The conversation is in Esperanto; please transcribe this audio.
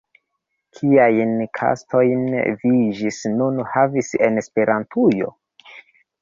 Kiajn taskojn vi ĝis nun havis en Esperantujo?